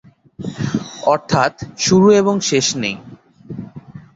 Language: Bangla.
অর্থাৎ শুরু এবং শেষ নেই।